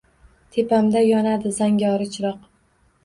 Tepamda yonadi zangori chiroq…